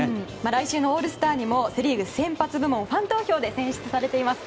来週のオールスターにもセ・リーグ先発部門ファン投票で選出されています。